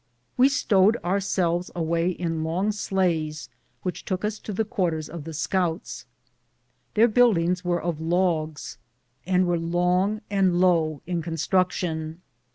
We stowed ourselves away in long sleighs which took us to the quarters of the scouts. Their buildings were of logs, and were long and low in construction.